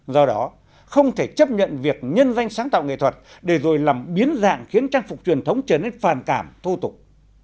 do đó không thể chấp nhận việc nhân danh sáng tạo nghệ thuật để rồi làm biến dạng khiến trang phục truyền thống trở nên phàn cảm thô tục